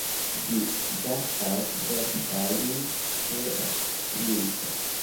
Vi gastas, verŝajne, ĉe la princo?